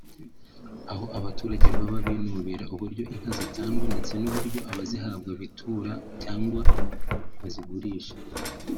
aho abaturage baba binubira uburyo inka zitangwa ndetse n’uburyo abazihabwa bitura cyangwa bazigurisha